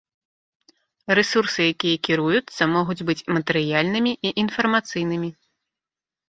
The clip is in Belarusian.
Рэсурсы, якія кіруюцца, могуць быць матэрыяльнымі і інфармацыйнымі.